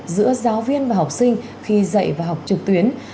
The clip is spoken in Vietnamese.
giữa giáo viên và học sinh khi dạy và học trực tuyến